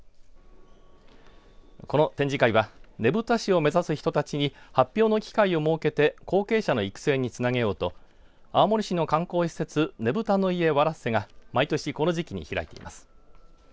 この展示会はねぶた師を目指す人たちに発表の機会を設けて後継者の育成につなげようと青森市の観光施設ねぶたの家ワ・ラッセが毎年この時期に開きます。